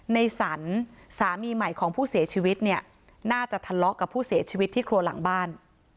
ในสรรสามีใหม่ของผู้เสียชีวิตเนี่ยน่าจะทะเลาะกับผู้เสียชีวิตที่ครัวหลังบ้าน